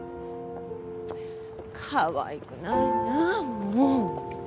かわいくないなあもうっ